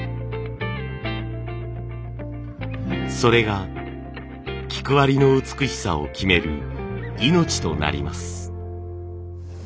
それが菊割の美しさを決める命となります。